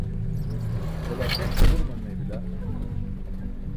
Hole akheṣ ćʰaġuruman meeybila.